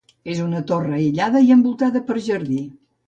És una torre aïllada i envoltada per jardí.